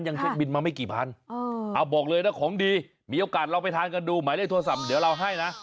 กันดูหมายเลขโทรศัพท์เดี๋ยวเราให้นะ